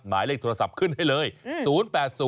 หมายเลขโทรศัพท์ขึ้นให้เลย๐๘๐๔๙๒๙๖๔๒ครับ